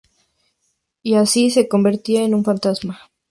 Y así, se convertía en un fantasma.